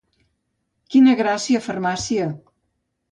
Quina gràcia, farmàcia.